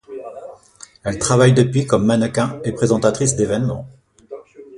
Elle travaille depuis comme mannequin et présentatrice d’événements.